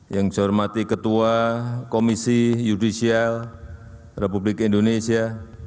yang saya hormati ketua komisi yudisial republik indonesia